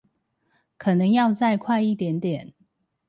可能要再快一點點